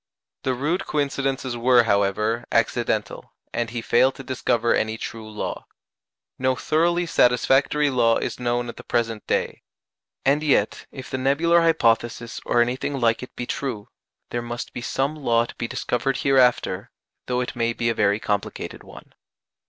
The rude coincidences were, however, accidental, and he failed to discover any true law. No thoroughly satisfactory law is known at the present day. And yet, if the nebular hypothesis or anything like it be true, there must be some law to be discovered hereafter, though it may be a very complicated one.